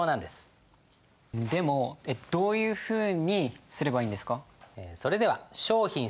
でもどういうふうにすればいいんですか？